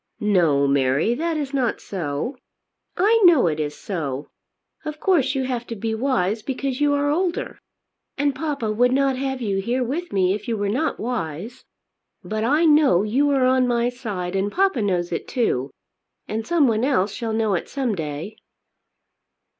"No, Mary; that is not so." "I know it is so. Of course you have to be wise because you are older. And papa would not have you here with me if you were not wise. But I know you are on my side, and papa knows it too. And someone else shall know it some day."